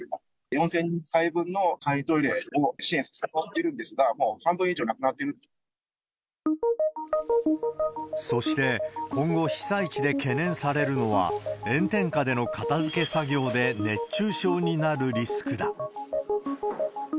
４０００回分の簡易トイレを支援をしてるんですが、そして、今後、被災地で懸念されるのは、炎天下での片づけ作業で熱中症になるリスクだ。